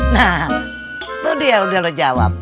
nah itu dia udah lo jawab